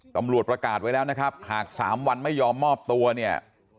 ตำรวจประกาศไว้แล้วนะครับหาก๓วันไม่ยอมมอบตัวเนี่ย